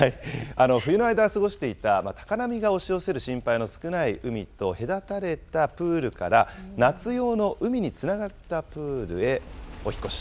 冬の間過ごしていた高波が押し寄せる心配の少ない海と隔たれたプールから、夏用の海につながったプールへお引っ越し。